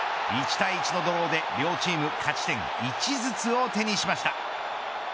１対１のドローで両チーム勝ち点１ずつを手にしました。